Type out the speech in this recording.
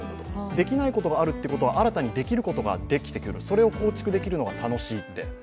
できないことがあるっていうことは新たにできることができてくるそれを構築できるのが楽しいって。